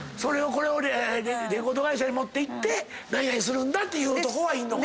これをレコード会社持っていって何々するんだって男はいいのか。